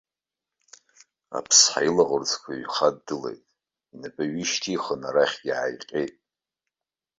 Аԥсҳа илаӷырӡқәа ҩхаддылеит, инапы ҩышьҭихын арахь иааиҟьеит.